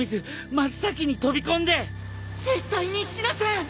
絶対に死なせん！